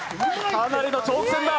かなりの挑戦だ。